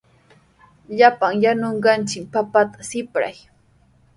Llapan yanunqanchik papata sipray.